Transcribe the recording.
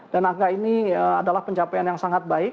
dan agak ini adalah pencapaian yang sangat baik